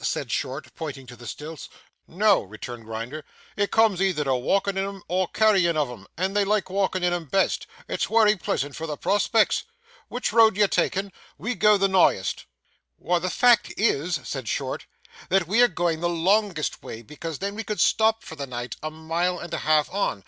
said Short, pointing to the stilts. 'No,' returned Grinder. 'It comes either to walkin' in 'em or carryin' of 'em, and they like walkin' in 'em best. It's wery pleasant for the prospects. Which road are you takin'? We go the nighest.' 'Why, the fact is,' said Short, 'that we are going the longest way, because then we could stop for the night, a mile and a half on.